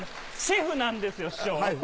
シェフなんですよ師匠。